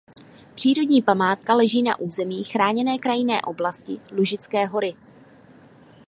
Přírodní památka leží na území Chráněné krajinné oblasti Lužické hory.